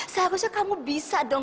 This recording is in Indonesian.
seharusnya kamu bisa dong